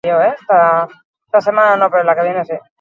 Arratsaldea, familia eta lagunekin igaroko dute.